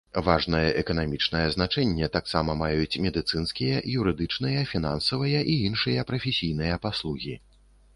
Важнае эканамічнае значэнне таксама маюць медыцынскія, юрыдычныя, фінансавыя і іншыя прафесійныя паслугі.